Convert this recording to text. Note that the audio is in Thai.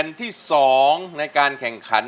เพลงนี้ที่๕หมื่นบาทแล้วน้องแคน